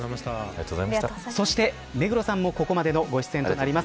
そして目黒さんもここまでのご出演となります。